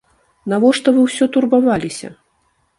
Навошта вы ўсё турбаваліся?